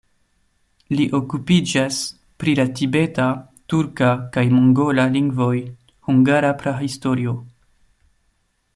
Li okupiĝas pri la tibeta, turka kaj mongola lingvoj, hungara prahistorio.